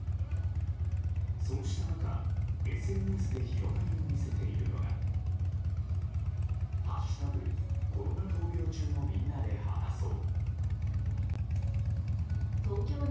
そうした中、ＳＮＳで広がりを見せているのが「＃コロナ闘病中のみんなで話そう」。